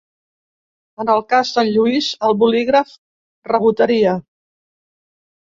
En el cas del Lluís, el bolígraf rebotaria.